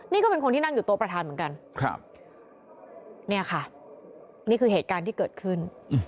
นี่ก็เป็นคนที่นั่งอยู่ตัวประธานเหมือนกันครับเนี่ยค่ะนี่คือเหตุการณ์ที่เกิดขึ้น